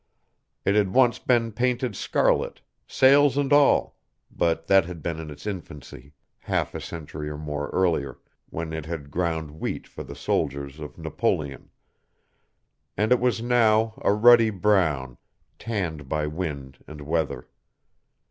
It had once been painted scarlet, sails and all, but that had been in its infancy, half a century or more earlier, when it had ground wheat for the soldiers of Napoleon; and it was now a ruddy brown, tanned by wind and weather.